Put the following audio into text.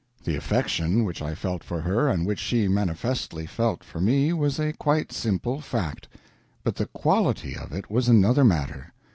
The affection which I felt for her and which she manifestly felt for me was a quite simple fact; but the quality of it was another matter.